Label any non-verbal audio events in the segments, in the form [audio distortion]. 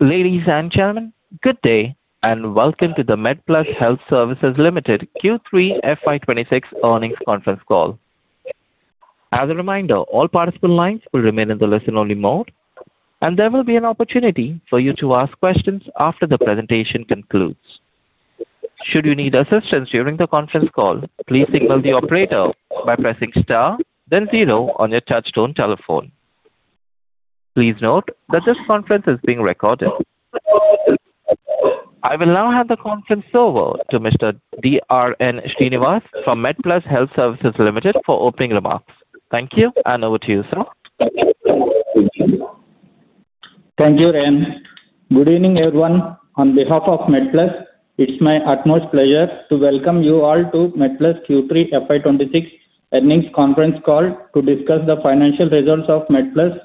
Ladies and gentlemen, good day, and welcome to the MedPlus Health Services Limited Q3 FY 2026 earnings conference call. As a reminder, all participant lines will remain in the listen-only mode, and there will be an opportunity for you to ask questions after the presentation concludes. Should you need assistance during the conference call, please signal the operator by pressing star, then zero on your touchtone telephone. Please note that this conference is being recorded. I will now hand the conference over to Mr. D. R. N. Srinivas from MedPlus Health Services Limited for opening remarks. Thank you, and over to you, sir. Thank you, [Ren]. Good evening, everyone. On behalf of MedPlus, it's my utmost pleasure to welcome you all to MedPlus Q3 FY 2026 earnings conference call to discuss the financial results of MedPlus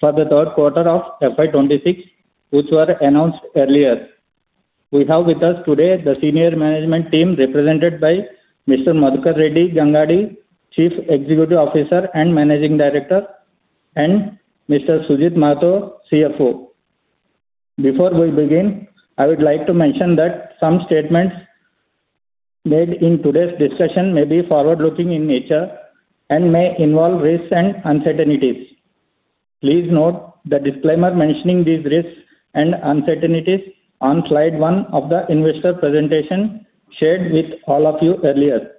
for the third quarter of FY 2026, which were announced earlier. We have with us today the senior management team, represented by Mr. Madhukar Gangadi, Chief Executive Officer and Managing Director, and Mr. Sujit Mahato, CFO. Before we begin, I would like to mention that some statements made in today's discussion may be forward-looking in nature and may involve risks and uncertainties. Please note the disclaimer mentioning these risks and uncertainties on slide one of the investor presentation shared with all of you earlier.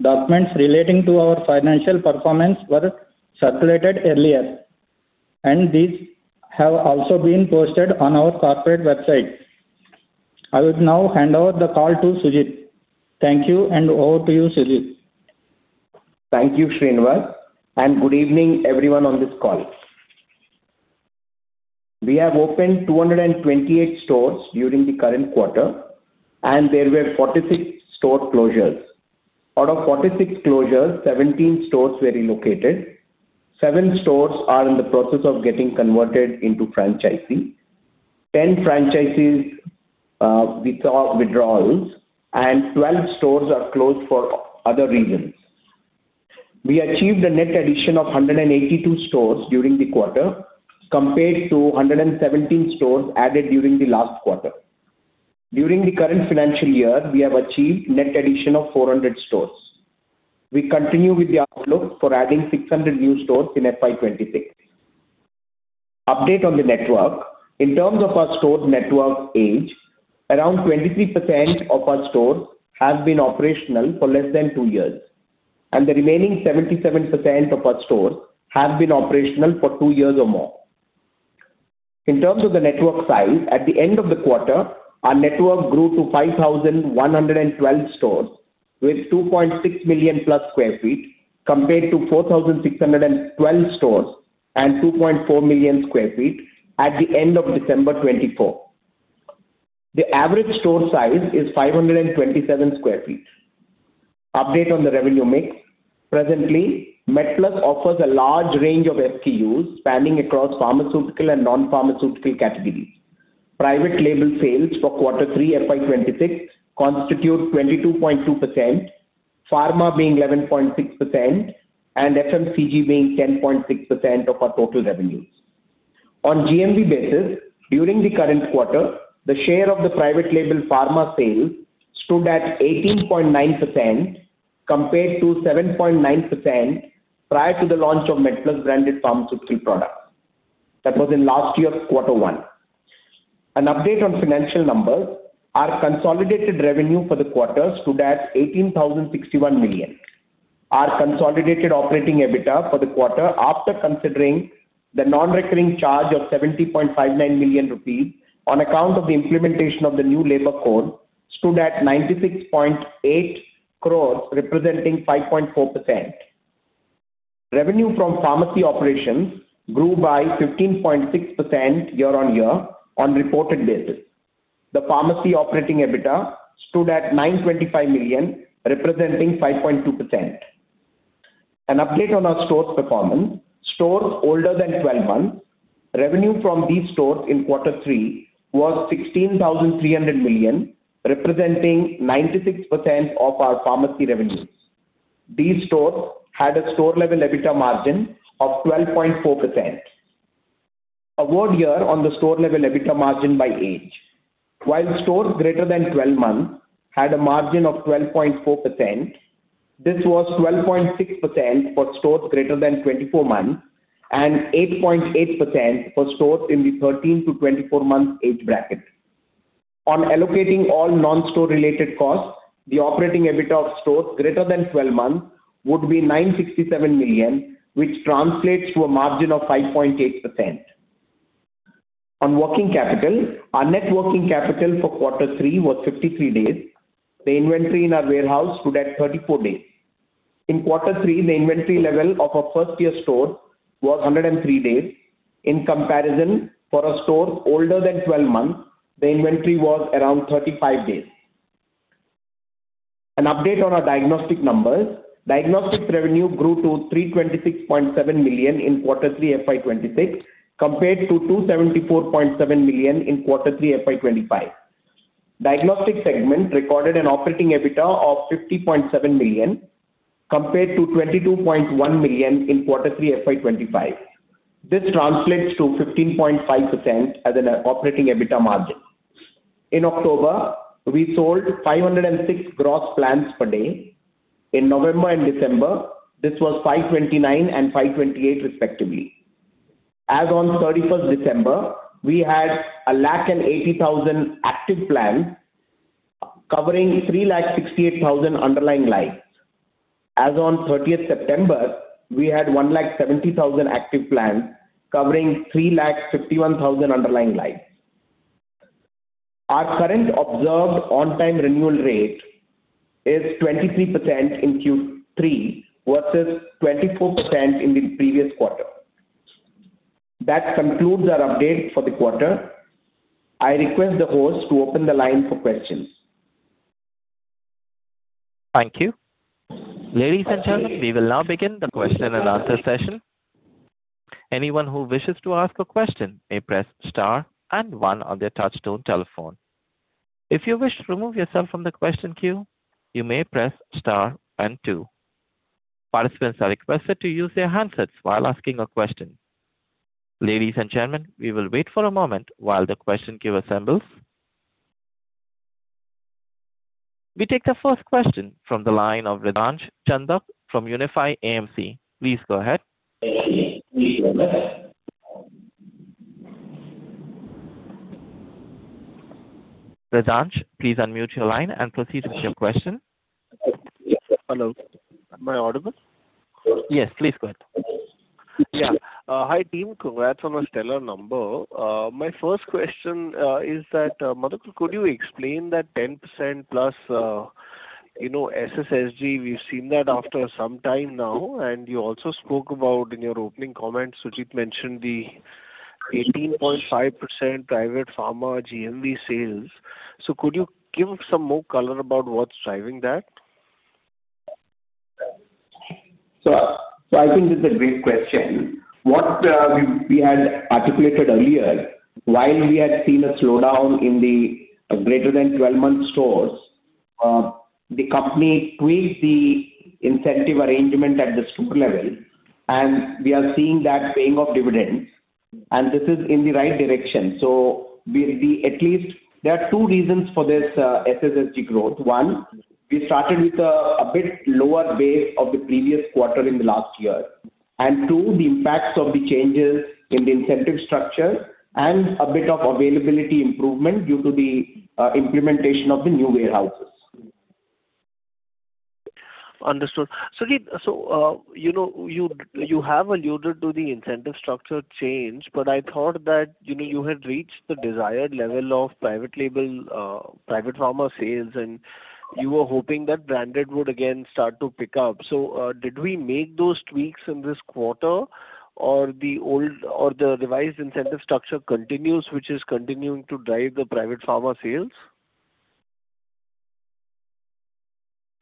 Documents relating to our financial performance were circulated earlier, and these have also been posted on our corporate website. I will now hand over the call to Sujit. Thank you, and over to you, Sujit. Thank you, Srinivas, and good evening, everyone on this call. We have opened 228 stores during the current quarter, and there were 46 store closures. Out of 46 closures, 17 stores were relocated, seven stores are in the process of getting converted into franchisee, 10 franchisees, withdraw, withdrawals, and 12 stores are closed for other reasons. We achieved a net addition of 182 stores during the quarter, compared to 117 stores added during the last quarter. During the current financial year, we have achieved net addition of 400 stores. We continue with the outlook for adding 600 new stores in FY 2026. Update on the network. In terms of our store network age, around 23% of our stores have been operational for less than two years, and the remaining 77% of our stores have been operational for two years or more. In terms of the network size, at the end of the quarter, our network grew to 5,112 stores, with 2.6+ million sq ft, compared to 4,612 stores and 2.4 million sq ft at the end of December 2024. The average store size is 527 sq ft. Update on the revenue mix. Presently, MedPlus offers a large range of SKUs spanning across pharmaceutical and non-pharmaceutical categories. Private label sales for quarter three FY 2026 constitute 22.2%, pharma being 11.6%, and FMCG being 10.6% of our total revenues. On GMV basis, during the current quarter, the share of the private label pharma sales stood at 18.9%, compared to 7.9% prior to the launch of MedPlus-branded pharmaceutical products. That was in last year's quarter one. An update on financial numbers. Our consolidated revenue for the quarter stood at 18,061 million. Our consolidated operating EBITDA for the quarter, after considering the non-recurring charge of 70.59 million rupees on account of the implementation of the new labor code, stood at 96.8 crores, representing 5.4%. Revenue from pharmacy operations grew by 15.6% year-on-year on reported basis. The pharmacy operating EBITDA stood at 925 million, representing 5.2%. An update on our stores' performance. Stores older than 12 months, revenue from these stores in quarter three was 16,300 million, representing 96% of our pharmacy revenues. These stores had a store-level EBITDA margin of 12.4%. A word here on the store-level EBITDA margin by age. While stores greater than 12 months had a margin of 12.4%, this was 12.6% for stores greater than 24 months and 8.8% for stores in the 13-24 months age bracket. On allocating all non-store related costs, the operating EBITDA of stores greater than 12 months would be 967 million, which translates to a margin of 5.8%. On working capital, our net working capital for quarter three was 53 days. The inventory in our warehouse stood at 34 days. In quarter three, the inventory level of a first-year store was 103 days. In comparison, for a store older than 12 months, the inventory was around 35 days. An update on our diagnostic numbers. Diagnostics revenue grew to 326.7 million in quarter three FY 2026, compared to 274.7 million in quarter three FY 2025. Diagnostic segment recorded an operating EBITDA of 50.7 million, compared to 22.1 million in quarter three, FY 2025. This translates to 15.5% as an operating EBITDA margin. In October, we sold 506 gross plans per day. In November and December, this was 529 and 528 respectively. As on 31st December, we had 180,000 active plans, covering 368,000 underlying lives. As on 30th September, we had 170,000 active plans, covering 351,000 underlying lives. Our current observed on-time renewal rate is 23% in Q3, versus 24% in the previous quarter. That concludes our update for the quarter. I request the host to open the line for questions. Thank you. Ladies and gentlemen, we will now begin the question-and-answer session. Anyone who wishes to ask a question may press star and one on their touchtone telephone. If you wish to remove yourself from the question queue, you may press star and two. Participants are requested to use their handsets while asking a question. Ladies and gentlemen, we will wait for a moment while the question queue assembles. We take the first question from the line of Riddhansh Chandak from Unifi AMC. Please go ahead. Riddhansh, please unmute your line and proceed with your question. Hello, am I audible? Yes, please go ahead. Yeah. Hi, team. Congrats on a stellar number. My first question is that, Madhukar, could you explain that 10%+, you know, SSSG, we've seen that after some time now, and you also spoke about in your opening comments, Sujit mentioned the 18.5% private pharma GMV sales. So could you give some more color about what's driving that? So, I think this is a great question. What we had articulated earlier, while we had seen a slowdown in the greater than 12-month stores, the company tweaked the incentive arrangement at the store level, and we are seeing that paying off dividends, and this is in the right direction. So at least there are two reasons for this SSSG growth. One, we started with a bit lower base of the previous quarter in the last year, and two, the impacts of the changes in the incentive structure and a bit of availability improvement due to the implementation of the new warehouses. Understood. Sujit, so, you know, you have alluded to the incentive structure change, but I thought that, you know, you had reached the desired level of private label private pharma sales, and you were hoping that branded would again start to pick up. So, did we make those tweaks in this quarter, or the old or the revised incentive structure continues, which is continuing to drive the private pharma sales?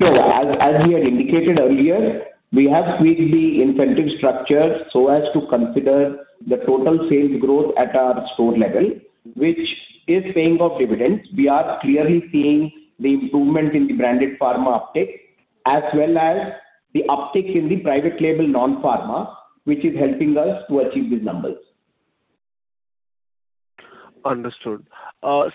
Yeah. As we had indicated earlier, we have tweaked the incentive structure so as to consider the total sales growth at our store level, which is paying off dividends. We are clearly seeing the improvement in the branded pharma uptick, as well as the uptick in the private label non-pharma, which is helping us to achieve these numbers. Understood.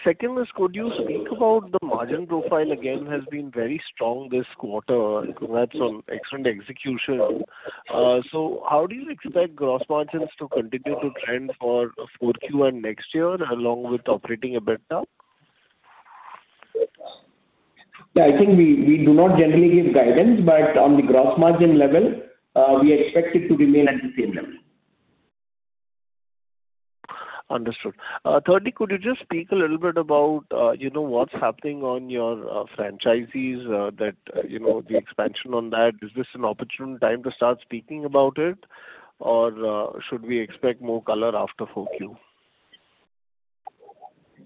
Second is, could you speak about the margin profile again, has been very strong this quarter. Congrats on excellent execution. So how do you expect gross margins to continue to trend for 4Q and next year, along with operating EBITDA? Yeah, I think we do not generally give guidance, but on the gross margin level, we expect it to remain at the same level. Understood. Thirdly, could you just speak a little bit about, you know, what's happening on your franchisees, that, you know, the expansion on that? Is this an opportune time to start speaking about it, or should we expect more color after 4Q?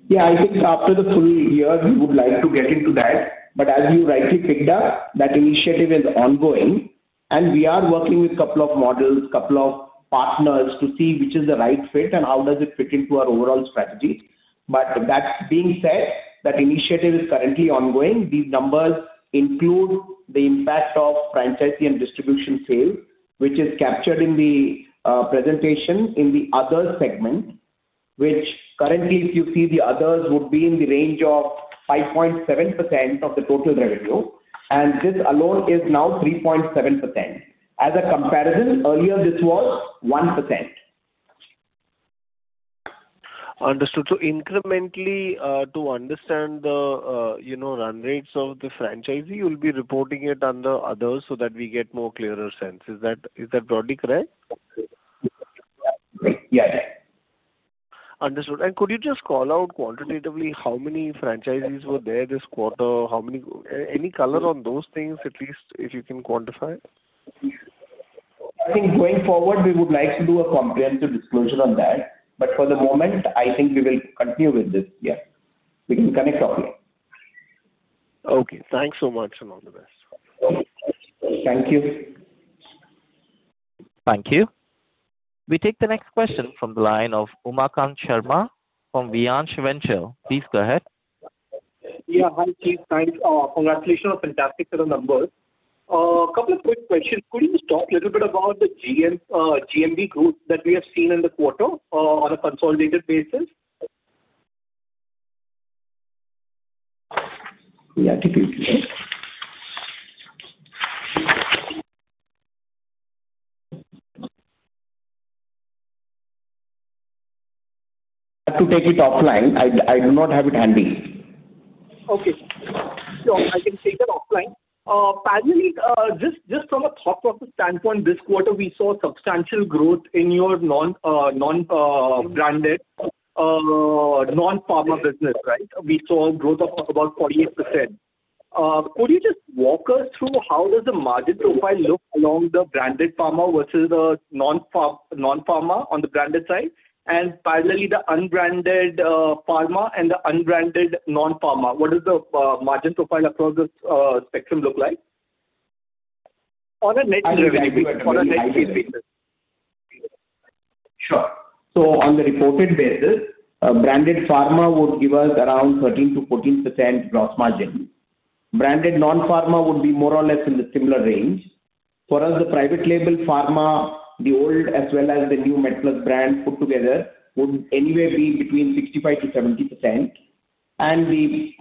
Yeah, I think after the full year, we would like to get into that. But as you rightly picked up, that initiative is ongoing, and we are working with a couple of models, couple of partners, to see which is the right fit and how does it fit into our overall strategy. But that being said, that initiative is currently ongoing. These numbers include the impact of franchisee and distribution sales, which is captured in the presentation in the other segment, which currently, if you see the others, would be in the range of 5.7% of the total revenue, and this alone is now 3.7%. As a comparison, earlier, this was 1%. Understood. So incrementally, to understand the, you know, run rates of the franchisee, you'll be reporting it under others so that we get more clearer sense. Is that, is that broadly correct? Yeah. Understood. And could you just call out quantitatively how many franchisees were there this quarter? How many... any color on those things, at least if you can quantify it? I think going forward, we would like to do a comprehensive disclosure on that, but for the moment, I think we will continue with this. Yeah. We can connect offline. Okay. Thanks so much, and all the best. Thank you.... Thank you. We take the next question from the line of Umakant Sharma from Vyansh Ventures. Please go ahead. Yeah, hi, Sujit. Thanks. Congratulations on fantastic set of numbers. A couple of quick questions. Could you just talk a little bit about the GMV growth that we have seen in the quarter, on a consolidated basis? We have to take it, right? I have to take it offline. I, I do not have it handy. Okay. Sure, I can take it offline. Finally, just from a top-up standpoint, this quarter, we saw substantial growth in your non-branded non-pharma business, right? We saw growth of about 48%. Could you just walk us through how does the margin profile look along the branded pharma versus the non-pharma on the branded side, and finally, the unbranded pharma and the unbranded non-pharma? What is the margin profile across this spectrum look like? On a net revenue, on a net revenue. Sure. So on the reported basis, branded pharma would give us around 13%-14% gross margin. Branded non-pharma would be more or less in the similar range. For us, the private label pharma, the old as well as the new MedPlus brand put together, would anyway be between 65%-70%, and the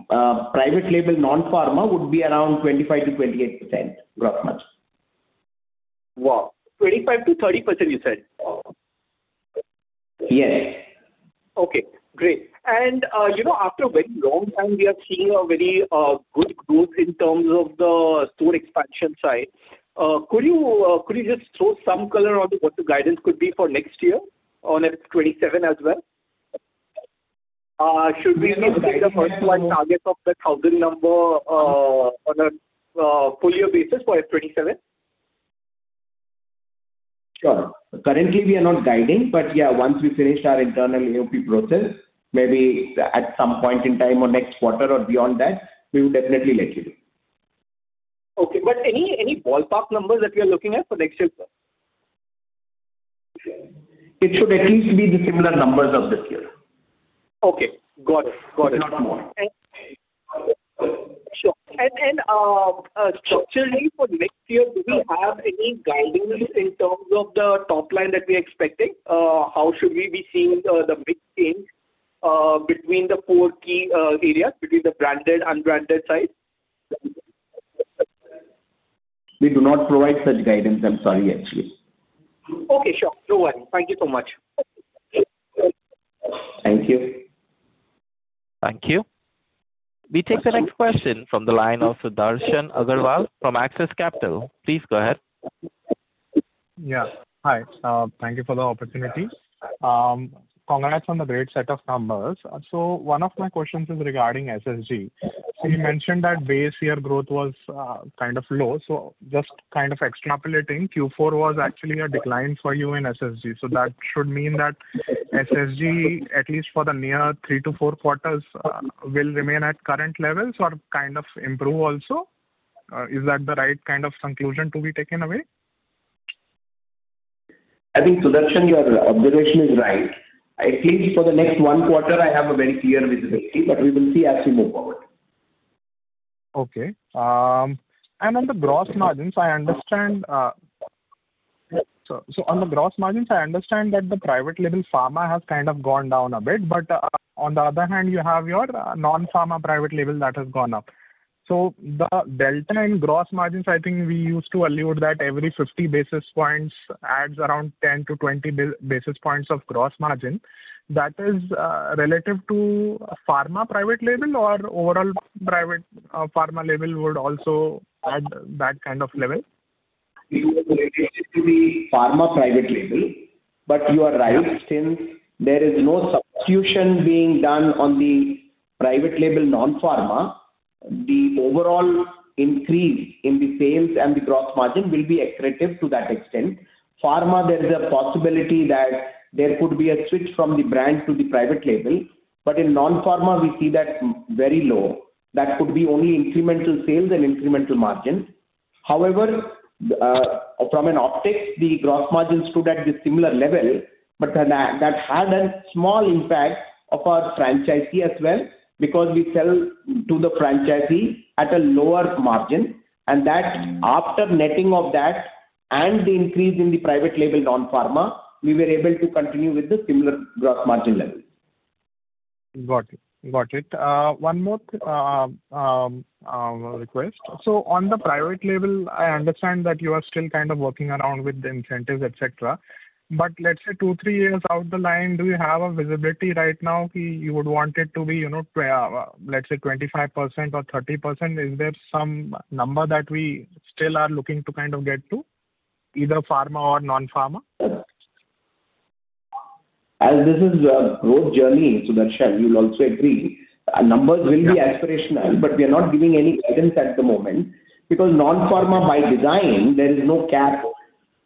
private label, non-pharma would be around 25%-28% gross margin. Wow! 25%-30%, you said? Yes. Okay, great. You know, after a very long time, we are seeing a very good growth in terms of the store expansion side. Could you just throw some color on what the guidance could be for next year on F 2027 as well? Should we look at the first one target of the 1,000 number on a full year basis for F 2027? Sure. Currently, we are not guiding, but, yeah, once we finish our internal AOP process, maybe at some point in time or next quarter or beyond that, we will definitely let you know. Okay. But any, any ballpark numbers that you are looking at for the next year? It should at least be the similar numbers of this year. Okay, got it. Got it. If not more. Sure. Structurally for next year, do we have any guidance in terms of the top line that we're expecting? How should we be seeing the big change between the four key areas, between the branded, unbranded side? We do not provide such guidance. I'm sorry, actually. Okay, sure. No worry. Thank you so much. Thank you. Thank you. We take the next question from the line of Sudarshan Agarwal from Axis Capital. Please go ahead. Yeah, hi. Thank you for the opportunity. Congrats on the great set of numbers. So one of my questions is regarding SSSG. So you mentioned that base year growth was kind of low. So just kind of extrapolating, Q4 was actually a decline for you in SSSG. So that should mean that SSSG, at least for the near three to four quarters, will remain at current levels or kind of improve also. Is that the right kind of conclusion to be taken away? I think, Sudarshan, your observation is right. At least for the next one quarter, I have a very clear visibility, but we will see as we move forward. Okay, and on the gross margins, I understand... So on the gross margins, I understand that the private label pharma has kind of gone down a bit, but on the other hand, you have your non-pharma private label that has gone up. So the delta in gross margins, I think we used to allude that every 50 basis points adds around 10 basis points-20 basis points of gross margin. That is, relative to pharma private label or overall private, pharma label would also add that kind of level? It was related to the pharma private label, but you are right, since there is no substitution being done on the private label non-pharma, the overall increase in the sales and the gross margin will be accretive to that extent. Pharma, there is a possibility that there could be a switch from the brand to the private label, but in non-pharma we see that very low. That could be only incremental sales and incremental margin. However, from an optics perspective, the gross margin stood at the similar level, but then that had a small impact of our franchisee as well, because we sell to the franchisee at a lower margin, and that after netting of that and the increase in the private label non-pharma, we were able to continue with the similar gross margin levels. Got it. Got it. One more request. So on the private label, I understand that you are still kind of working around with the incentives, et cetera. But let's say 2 years, 3 years down the line, do you have visibility right now, you would want it to be, you know, let's say 25% or 30%? Is there some number that we still are looking to kind of get to, either pharma or non-pharma? As this is a growth journey, Sudarshan, you'll also agree, our numbers will be aspirational, but we are not giving any guidance at the moment, because non-pharma by design, there is no cap.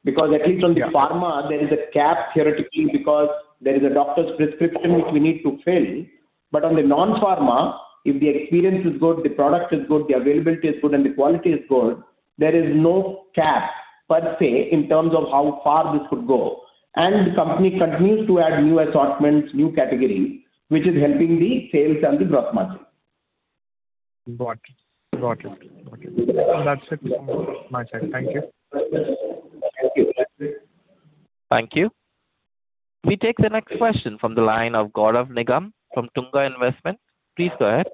Because at least on the pharma, there is a cap theoretically, because there is a doctor's prescription which we need to fill. But on the non-pharma, if the experience is good, the product is good, the availability is good, and the quality is good, there is no cap per se, in terms of how far this could go. And the company continues to add new assortments, new categories, which is helping the sales and the gross margin. Got it. Got it, got it. That's it from my side. Thank you. Thank you. Thank you. We take the next question from the line of Gaurav Nigam from Tunga Investments. Please go ahead.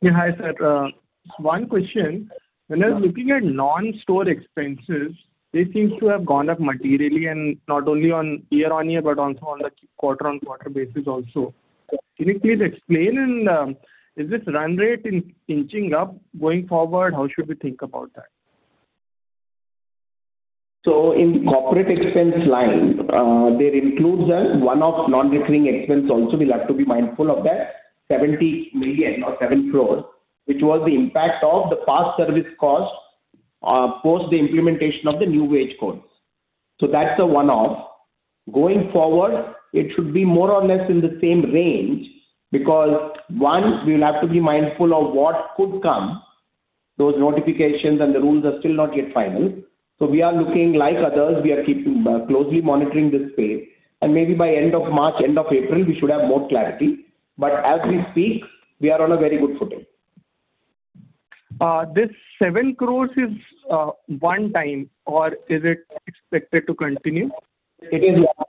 Yeah, hi, sir. One question. When I was looking at non-store expenses, they seems to have gone up materially and not only on year-on-year, but also on a quarter-on-quarter basis also. Can you please explain, and is this run rate in inching up? Going forward, how should we think about that? So in corporate expense line, there includes a one-off non-recurring expense also, we'll have to be mindful of that, 70 million or 7 crore, which was the impact of the past service cost, post the implementation of the new wage codes. So that's a one-off. Going forward, it should be more or less in the same range, because, one, we will have to be mindful of what could come. Those notifications and the rules are still not yet final. So we are looking like others, we are keeping closely monitoring this space, and maybe by end of March, end of April, we should have more clarity. But as we speak, we are on a very good footing. This 7 crore is one time or is it expected to continue? It is one,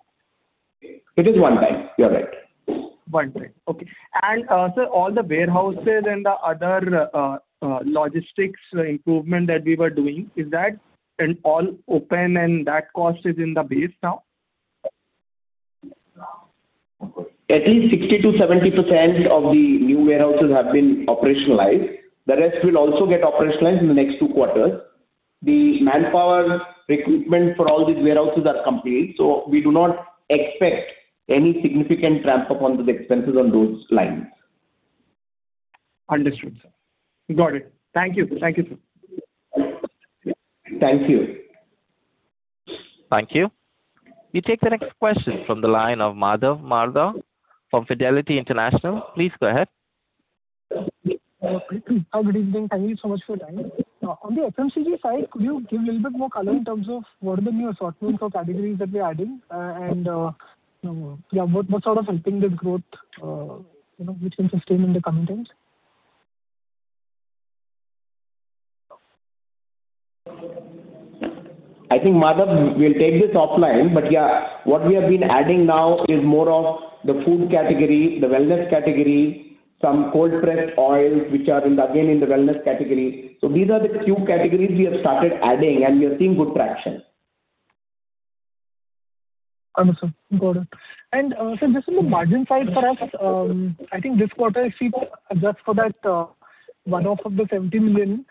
it is one time. You're right. One time. Okay. Sir, all the warehouses and the other logistics improvement that we were doing, is that in all open and that cost is in the base now? At least 60%-70% of the new warehouses have been operationalized. The rest will also get operationalized in the next two quarters. The manpower recruitment for all these warehouses are complete, so we do not expect any significant ramp up on the expenses on those lines. Understood, sir. Got it. Thank you. Thank you, sir. Thank you. Thank you. We take the next question from the line of Madhav Marda from Fidelity International. Please go ahead. Hello. Good evening. Thank you so much for your time. On the FMCG side, could you give a little bit more color in terms of what are the new assortments or categories that we are adding? And what sort of helping the growth, you know, which can sustain in the coming times? I think, Madhav, we'll take this offline, but, yeah, what we have been adding now is more of the food category, the wellness category, some cold-pressed oils, which are in, again, in the wellness category. So these are the few categories we have started adding, and we are seeing good traction. Understood. Got it. And, sir, just on the margin side for us, I think this quarter, if we adjust for that, one-off of the 70 million,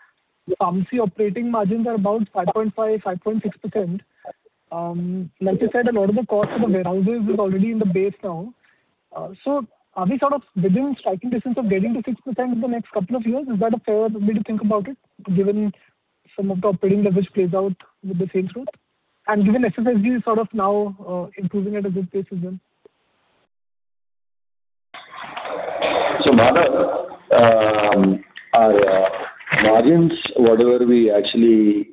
[audio distortion] operating margins are about 5.5%-5.6%. Like you said, a lot of the cost of the warehouses is already in the base now. So are we sort of within striking distance of getting to 6% in the next couple of years? Is that a fair way to think about it, given some of the operating leverage plays out with the same store? And given SSSG is sort of now, improving at a good pace as well. So, Madhav, our margins, whatever we actually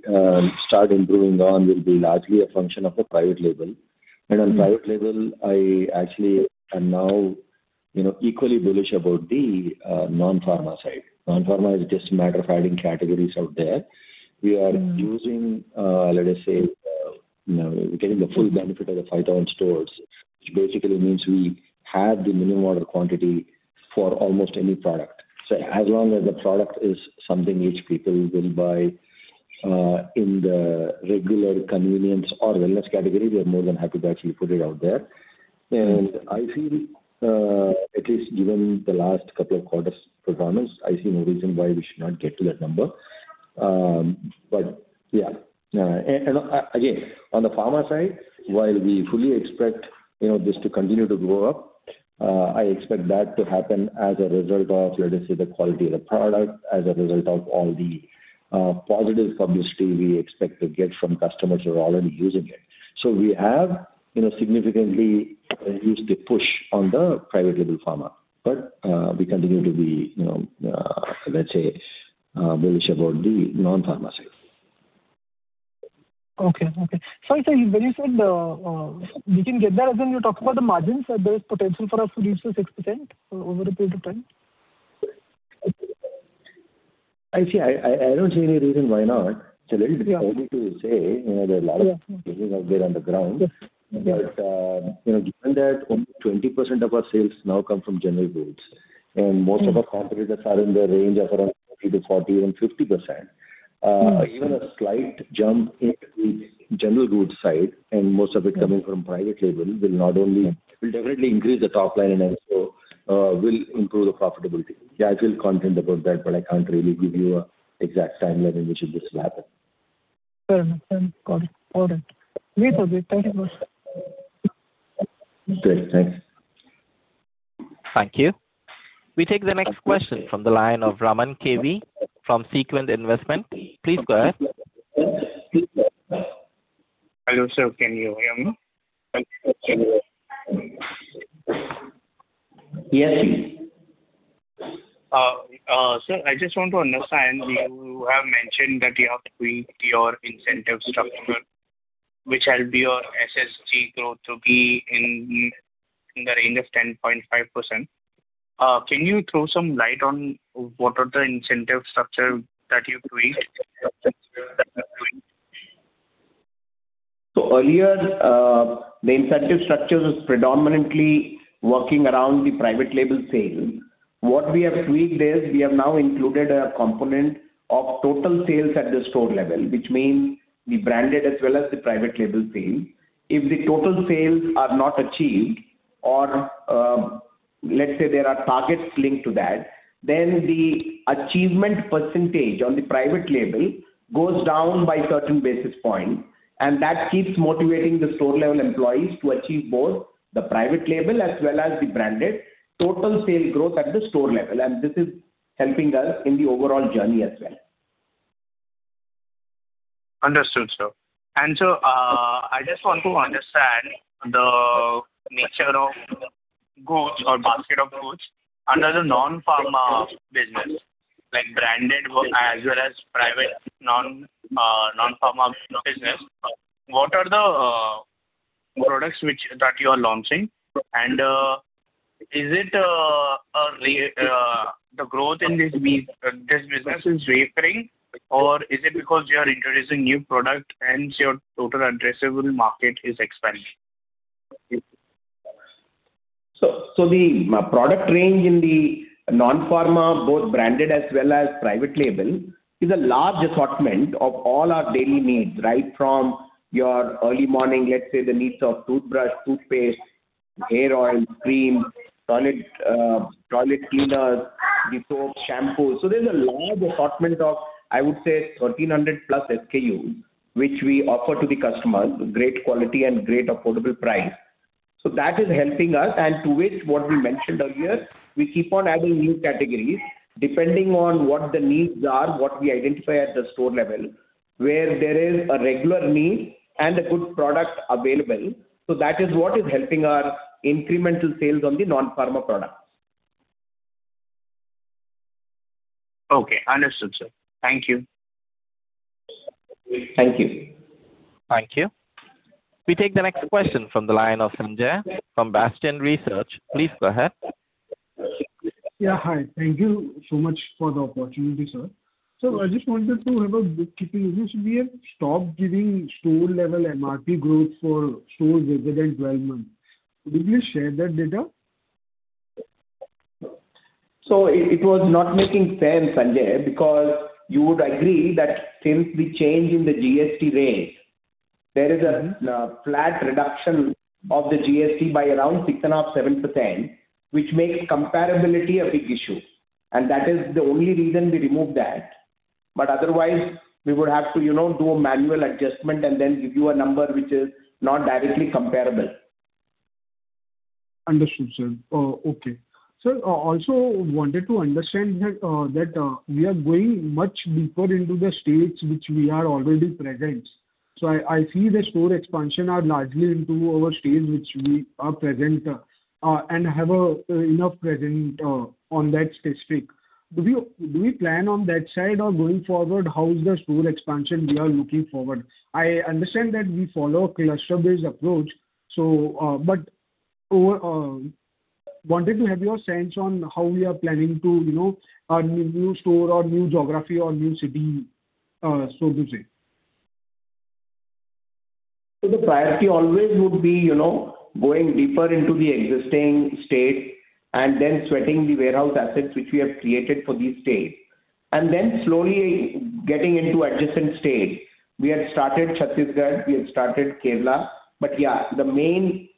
start improving on, will be largely a function of the private label. And on private label, I actually am now, you know, equally bullish about the non-pharma side. Non-pharma is just a matter of adding categories out there. Mm. We are using, let us say, you know, getting the full benefit of the 5,000 stores, which basically means we have the minimum order quantity for almost any product. So as long as the product is something which people will buy, in the regular convenience or wellness category, we are more than happy to actually put it out there. Mm. I feel, at least given the last couple of quarters' performance, I see no reason why we should not get to that number. But, yeah, and, and again, on the pharma side, while we fully expect, you know, this to continue to grow up, I expect that to happen as a result of, let us say, the quality of the product, as a result of all the positive publicity we expect to get from customers who are already using it. So we have, you know, significantly reduced the push on the private label pharma, but, we continue to be, you know, let's say, bullish about the non-pharma side. Okay. Okay. So, sir, when you said we can get there, as in you're talking about the margins, are there potential for us to reach to 6% over a period of time? I see... I don't see any reason why not. It's a little bit early to say, you know, there are a lot of things out there on the ground. Yes. But, you know, given that only 20% of our sales now come from general goods, and most of our competitors are in the range of around 30%-40%, even 50%, even a slight jump in the general goods side, and most of it coming from private label, will not only, will definitely increase the top line and also, will improve the profitability. Yeah, I feel confident about that, but I can't really give you an exact time when we should just happen. Fair enough. Got it. All right. Thank you so much, sir. Great. Thanks. Thank you. We take the next question from the line of [Raman KV] from Sequent Investments. Please go ahead.... Hello, sir, can you hear me? Yes. Sir, I just want to understand, you have mentioned that you have tweaked your incentive structure, which help your SSSG growth to be in the range of 10.5%. Can you throw some light on what are the incentive structure that you've tweaked? So earlier, the incentive structure was predominantly working around the private label sales. What we have tweaked is, we have now included a component of total sales at the store level, which means the branded as well as the private label sales. If the total sales are not achieved, or, let's say there are targets linked to that, then the achievement percentage on the private label goes down by certain basis points, and that keeps motivating the store-level employees to achieve both the private label as well as the branded total sales growth at the store level, and this is helping us in the overall journey as well. Understood, sir. I just want to understand the nature of goods or basket of goods under the non-pharma business, like branded goods as well as private non-pharma business. What are the products that you are launching? Is it recurring, or is it because you are introducing new product, hence your total addressable market is expanding? So, so the product range in the non-pharma, both branded as well as private label, is a large assortment of all our daily needs, right from your early morning, let's say, the needs of toothbrush, toothpaste, hair oil, cream, toilet, toilet cleaners, the soaps, shampoos. So there's a large assortment of, I would say, 1,300+ SKUs, which we offer to the customers, great quality and great affordable price. So that is helping us, and to which what we mentioned earlier, we keep on adding new categories, depending on what the needs are, what we identify at the store level, where there is a regular need and a good product available. So that is what is helping our incremental sales on the non-pharma products. Okay, understood, sir. Thank you. Thank you. Thank you. We take the next question from the line of Sanjay from Bastion Research. Please go ahead. Yeah, hi. Thank you so much for the opportunity, sir. Sir, I just wanted to have a bookkeeping. We should be a stop giving store level MRP growth for stores greater than 12 months. Could you please share that data? So it was not making sense, Sanjay, because you would agree that since the change in the GST rates, there is a flat reduction of the GST by around 6.5, 7-10, which makes comparability a big issue, and that is the only reason we removed that. But otherwise, we would have to, you know, do a manual adjustment and then give you a number which is not directly comparable. Understood, sir. Okay. Sir, also wanted to understand that, that we are going much deeper into the states which we are already present. So I see the store expansion are largely into our states, which we are present, and have enough presence on that specific. Do we plan on that side or going forward, how is the store expansion we are looking forward? I understand that we follow a cluster-based approach, so, but wanted to have your sense on how we are planning to, you know, add new store or new geography or new city, so to say. So the priority always would be, you know, going deeper into the existing state and then sweating the warehouse assets which we have created for these states, and then slowly getting into adjacent states. We have started Chhattisgarh, we have started Kerala, but yeah, the main,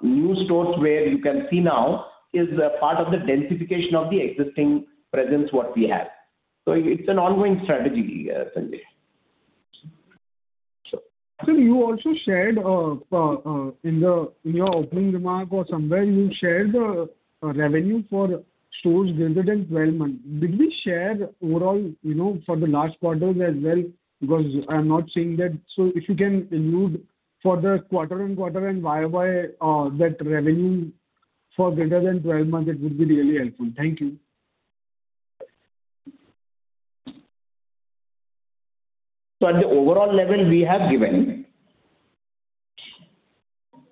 new stores where you can see now is a part of the densification of the existing presence what we have. So it's an ongoing strategy, Sanjay. Sir, you also shared, in your opening remark or somewhere, you shared the revenue for stores greater than twelve months. Did we share overall, you know, for the last quarters as well? Because I'm not seeing that. So if you can include for the quarter and quarter and YoY, that revenue for greater than twelve months, it would be really helpful. Thank you. So at the overall level, we have given.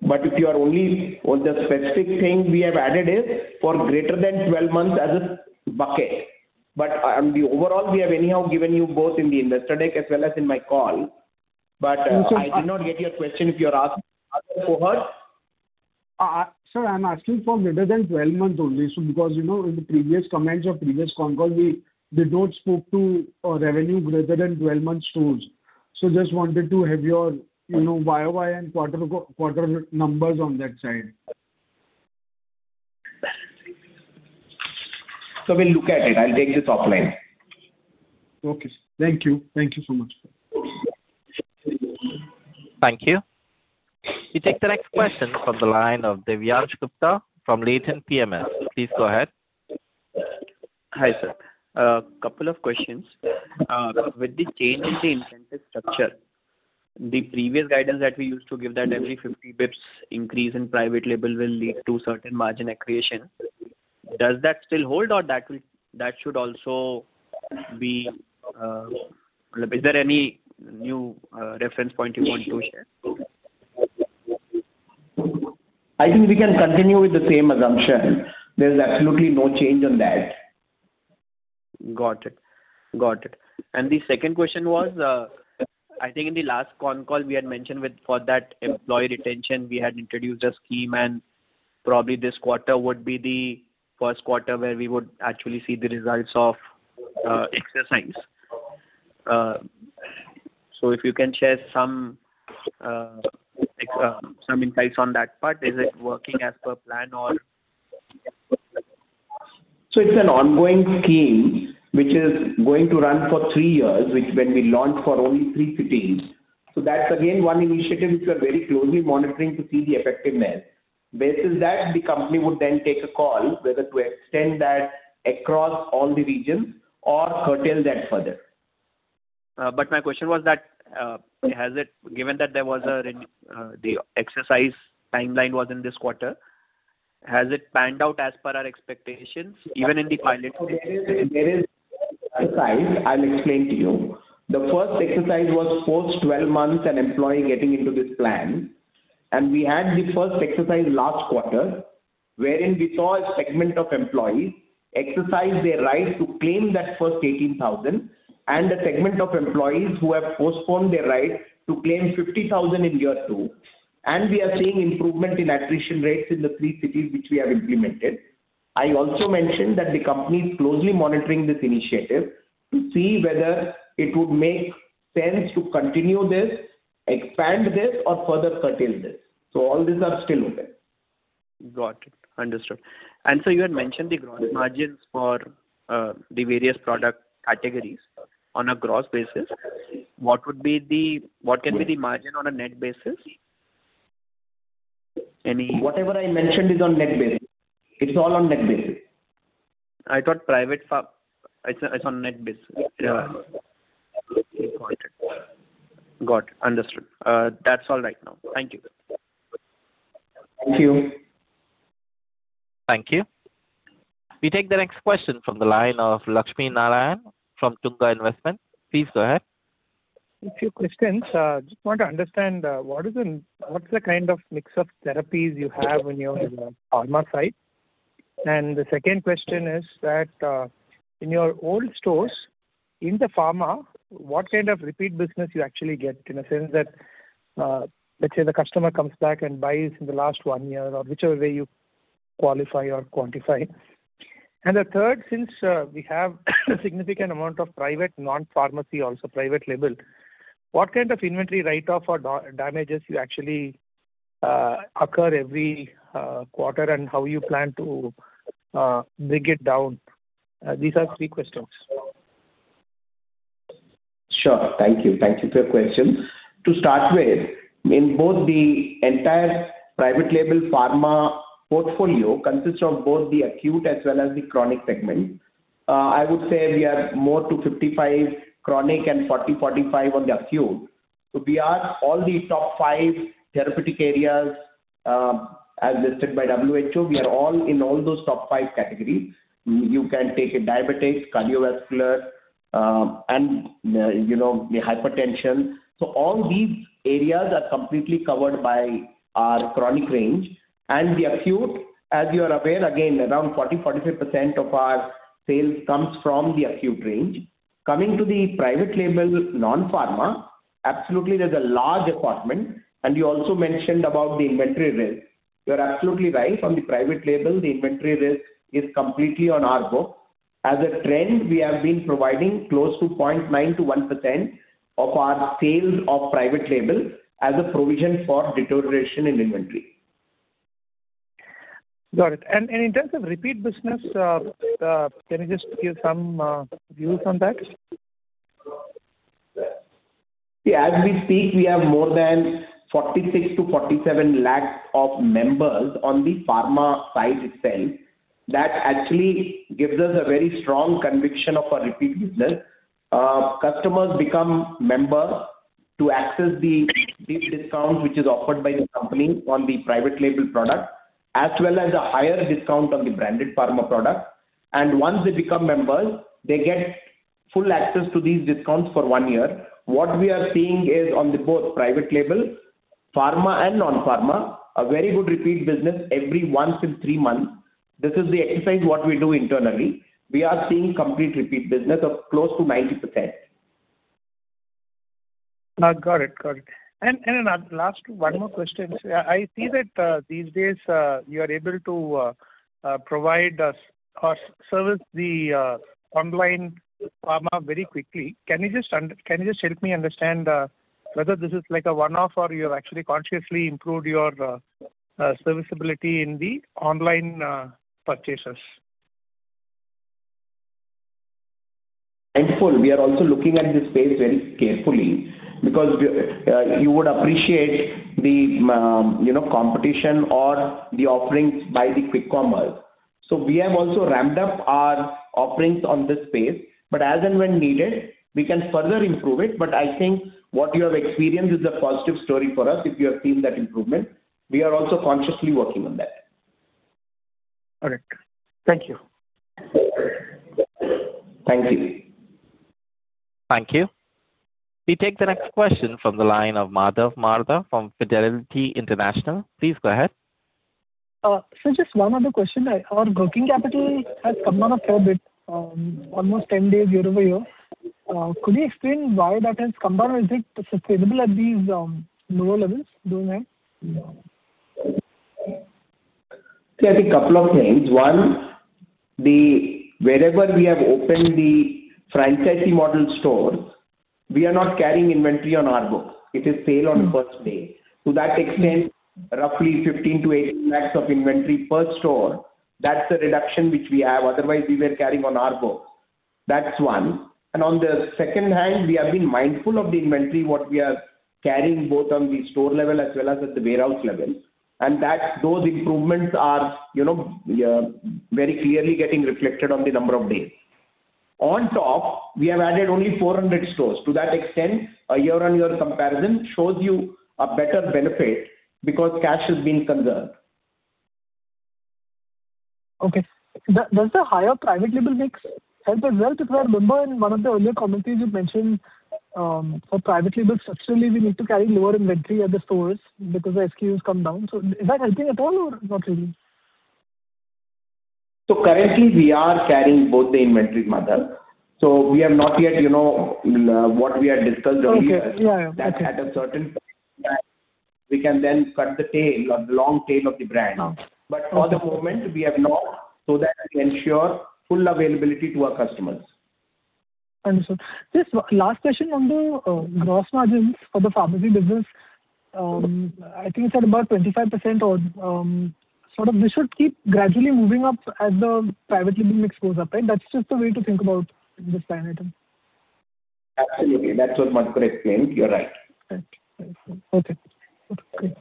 But if you are only on the specific thing we have added is, for greater than 12 months as a bucket. But, the overall, we have anyhow given you both in the investor deck as well as in my call. But I did not get your question, if you are asking for us. Sir, I'm asking for greater than 12 months only. So because, you know, in the previous comments of previous concall, we don't spoke to a revenue greater than 12 months stores. So just wanted to have your, you know, YoY and quarter-to-quarter numbers on that side. So we'll look at it. I'll take this offline. Okay, sir. Thank you. Thank you so much. Thank you. We take the next question from the line of Divyansh Gupta from Latent PMS. Please go ahead.... Hi, sir. Couple of questions. With the change in the incentive structure, the previous guidance that we used to give, that every 50 basis points increase in private label will lead to certain margin accretion, does that still hold or that will, that should also be... Is there any new reference point you want to share? I think we can continue with the same assumption. There is absolutely no change on that. Got it. Got it. The second question was, I think in the last con call we had mentioned with, for that employee retention, we had introduced a scheme, and probably this quarter would be the first quarter where we would actually see the results of exercise. If you can share some insights on that part, is it working as per plan or? It's an ongoing scheme which is going to run for three years, which when we launched for only three cities. That's again one initiative which we are very closely monitoring to see the effectiveness. Based on that, the company would then take a call whether to extend that across all the regions or curtail that further. But my question was that, given that there was a re, the exercise timeline was in this quarter, has it panned out as per our expectations, even in the pilot? There is exercise, I'll explain to you. The first exercise was post 12 months an employee getting into this plan, and we had the first exercise last quarter, wherein we saw a segment of employees exercise their right to claim that first 18,000, and a segment of employees who have postponed their right to claim 50,000 in year two. And we are seeing improvement in attrition rates in the three cities which we have implemented. I also mentioned that the company is closely monitoring this initiative to see whether it would make sense to continue this, expand this, or further curtail this. So all these are still open. Got it. Understood. And so you had mentioned the gross margins for the various product categories on a gross basis. What would be the- Yes. What can be the margin on a net basis? Any- Whatever I mentioned is on net basis. It's all on net basis. It's, it's on net basis. Yeah. Got it. Got it. Understood. That's all right now. Thank you. Thank you. Thank you. We take the next question from the line of [Lakshmi Narayanan] from Tunga Investments. Please go ahead. A few questions. Just want to understand, what is the, what's the kind of mix of therapies you have on your pharma side? And the second question is that, in your old stores, in the pharma, what kind of repeat business you actually get? In a sense that, let's say the customer comes back and buys in the last one year or whichever way you qualify or quantify. And the third, since, we have a significant amount of private non-pharmacy, also private label, what kind of inventory write-off or damages you actually occur every quarter, and how you plan to bring it down? These are three questions. Sure. Thank you. Thank you for your questions. To start with, in both the entire private label pharma portfolio consists of both the acute as well as the chronic segment. I would say we are more to 55 chronic and 40-45 on the acute. So we are all the top five therapeutic areas, as listed by WHO. We are all in all those top 5 categories. You can take a diabetic, cardiovascular, and, you know, the hypertension. So all these areas are completely covered by our chronic range. And the acute, as you are aware, again, around 40%-45% of our sales comes from the acute range. Coming to the private label, non-pharma, absolutely there's a large assortment, and you also mentioned about the inventory risk. You're absolutely right. On the private label, the inventory risk is completely on our book. As a trend, we have been providing close to 0.9%-1% of our sales of Private Label as a provision for deterioration in inventory. Got it. In terms of repeat business, can you just give some views on that? Yeah. As we speak, we have more than 46 lakhs-47 lakhs of members on the pharma side itself. That actually gives us a very strong conviction of our repeat business. Customers become members to access the, these discounts, which is offered by the company on the private label product, as well as a higher discount on the branded pharma product. And once they become members, they get full access to these discounts for one year. What we are seeing is on the both private label, pharma and non-pharma, a very good repeat business every once in three months. This is the exercise what we do internally. We are seeing complete repeat business of close to 90%. Got it. Got it. Then last, one more question. I see that, these days, you are able to provide us or service the online pharma very quickly. Can you just help me understand whether this is like a one-off or you have actually consciously improved your serviceability in the online purchases? ...mindful, we are also looking at this space very carefully, because we, you would appreciate the, you know, competition or the offerings by the quick commerce. So we have also ramped up our offerings on this space, but as and when needed, we can further improve it. But I think what you have experienced is a positive story for us, if you have seen that improvement. We are also consciously working on that. Correct. Thank you. Thank you. Thank you. We take the next question from the line of Madhav Marda from Fidelity International. Please go ahead. Just one other question. Our working capital has come down a fair bit, almost 10 days year-over-year. Could you explain why that has come down? Is it sustainable at these lower levels going ahead? See, I think couple of things. One, wherever we have opened the franchisee model stores, we are not carrying inventory on our books. It is sale on first day. So that explains roughly 15 lakhs-18 lakhs of inventory per store. That's the reduction which we have, otherwise, we were carrying on our books. That's one. And on the second hand, we have been mindful of the inventory, what we are carrying, both on the store level as well as at the warehouse level, and that those improvements are, you know, very clearly getting reflected on the number of days. On top, we have added only 400 stores. To that extent, a year-on-year comparison shows you a better benefit because cash is being conserved. Okay. Does the higher private label mix help as well? If I remember, in one of the earlier commentaries you mentioned, for private label, structurally, we need to carry lower inventory at the stores because the SKUs come down. So is that helping at all or not really? So currently, we are carrying both the inventory, Madhav. So we have not yet, you know, what we have discussed earlier- Okay. Yeah, yeah. That at a certain point, we can then cut the tail or the long tail of the brand. Okay. But for the moment, we have not, so that we ensure full availability to our customers. Understood. Just one last question on the gross margins for the pharmacy business. I think it's at about 25% or sort of, we should keep gradually moving up as the private label mix goes up, right? That's just the way to think about this line item. Absolutely. That's what Madhukar explained. You're right. Thank you. Okay.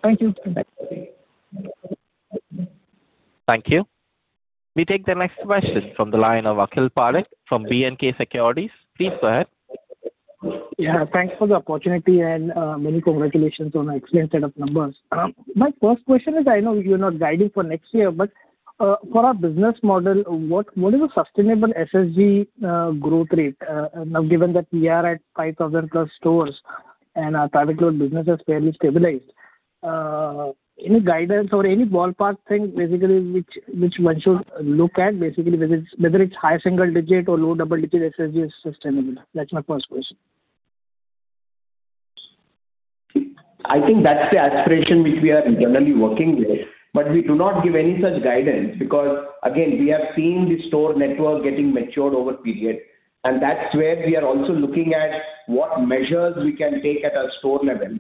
Thank you. Bye-bye. Thank you. We take the next question from the line of Akhil Parekh, from B&K Securities. Please go ahead. Yeah, thanks for the opportunity, and, many congratulations on the excellent set of numbers. My first question is, I know you're not guiding for next year, but, for our business model, what, what is a sustainable SSSG, growth rate? Now, given that we are at 5,000+ stores and our private label business is fairly stabilized. Any guidance or any ballpark thing, basically, which, which one should look at, basically, whether it's, whether it's high single digit or low double digit SSSG is sustainable? That's my first question. I think that's the aspiration which we are generally working with, but we do not give any such guidance, because, again, we have seen the store network getting matured over period, and that's where we are also looking at what measures we can take at our store level,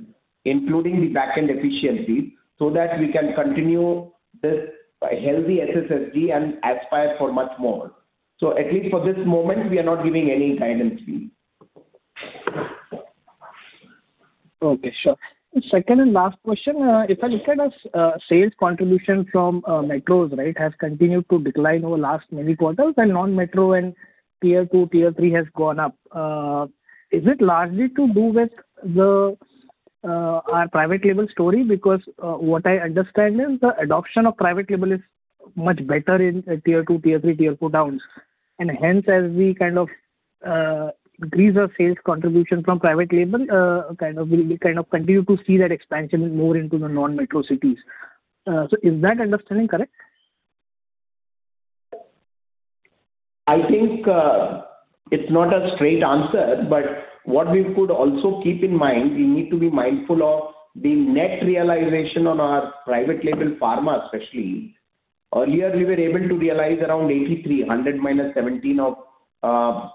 including the backend efficiency, so that we can continue this healthy SSSG and aspire for much more. So at least for this moment, we are not giving any guidance fee. Okay, sure. Second and last question. If I look at our sales contribution from metros, right, has continued to decline over the last many quarters, and non-metro and Tier 2, Tier 3 has gone up. Is it largely to do with our private label story? Because what I understand is the adoption of private label is much better in Tier 2, Tier 3, Tier 4 towns. And hence, as we kind of increase our sales contribution from private label, kind of, we kind of continue to see that expansion more into the non-metro cities. So is that understanding correct? I think, it's not a straight answer, but what we could also keep in mind, we need to be mindful of the net realization on our private label pharma, especially. Earlier, we were able to realize around 83, 100 minus 17 of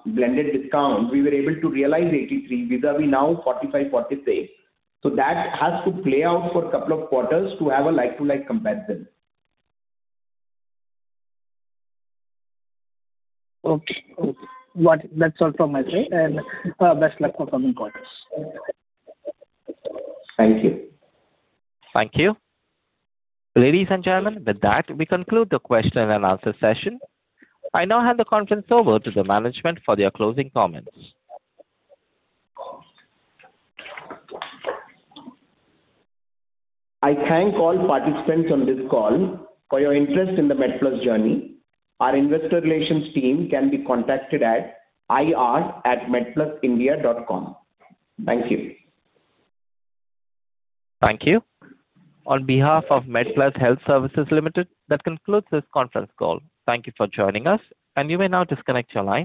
blended discount. We were able to realize 83, vis-à-vis now, 45, 43. So that has to play out for a couple of quarters to have a like-to-like comparison. Okay. Well, that's all from my side, and best luck for coming quarters. Thank you. Thank you. Ladies and gentlemen, with that, we conclude the question-and-answer session. I now hand the conference over to the management for their closing comments. I thank all participants on this call for your interest in the MedPlus journey. Our Investor Relations team can be contacted at ir@medplusindia.com. Thank you. Thank you. On behalf of MedPlus Health Services Limited, that concludes this conference call. Thank you for joining us, and you may now disconnect your lines.